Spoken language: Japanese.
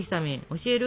教える？